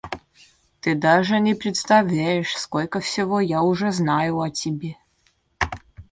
Ты даже не представляешь, сколько всего я уже знаю о тебе.